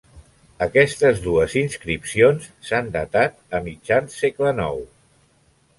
Aquestes dues inscripcions s'han datat a mitjan segle IX.